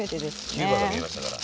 キューバが見えましたから。